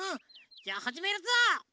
じゃあはじめるぞ。